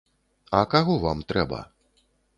А каго вам трэба?